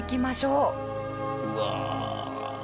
うわ。